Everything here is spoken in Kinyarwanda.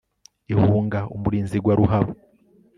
ihunga umurinzi igwa ruhabo